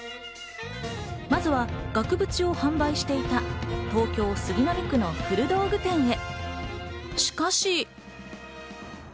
まずは額縁を販売していた東京・杉並区の古道具店へ。